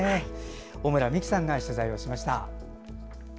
小村美記さんが取材しました。